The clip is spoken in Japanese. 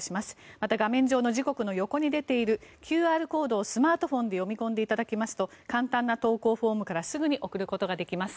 また、画面上の時刻の横に出ているＱＲコードをスマートフォンで読み込んでいただきますと簡単な投稿フォームからすぐに送ることができます。